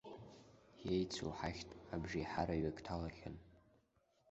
Иеицу ҳахьтә абжеиҳараҩык ҭалахьан.